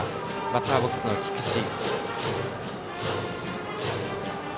バッターボックスの菊池。